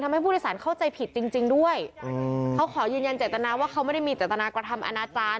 ให้ผู้โดยสารเข้าใจผิดจริงจริงด้วยเขาขอยืนยันเจตนาว่าเขาไม่ได้มีเจตนากระทำอนาจารย์